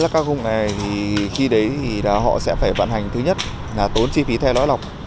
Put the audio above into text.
các công nghệ khi đấy họ sẽ phải vận hành thứ nhất là tốn chi phí theo lõi lọc